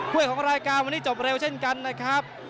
ของรายการวันนี้จบเร็วเช่นกันนะครับ